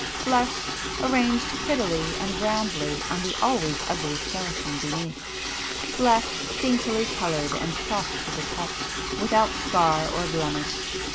Flesh, arranged prettily and roundly on the always ugly skeleton beneath,—flesh, daintily coloured and soft to the touch, without scar or blemish.